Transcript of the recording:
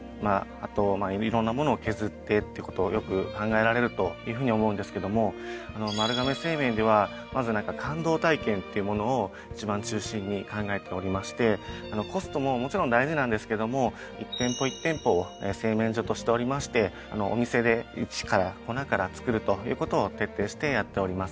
あといろんなものを削ってってことをよく考えられるというふうに思うんですけども丸亀製麺ではまず感動体験っていうものを一番中心に考えておりましてコストももちろん大事なんですけども一店舗一店舗を製麺所としておりましてお店で一から粉から作るということを徹底してやっております。